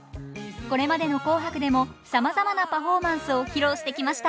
これまでの「紅白」でもさまざまなパフォーマンスを披露してきました。